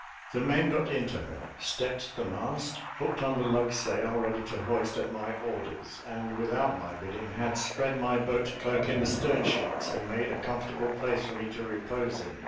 The men got into her, stepped the mast, hooked on the lug sail, ready to hoist at my orders; and, without my bidding, had spread my boat cloak in the stern sheets, and made a comfortable place for me to repose in.